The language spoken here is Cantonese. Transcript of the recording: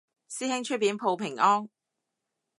師兄出片報平安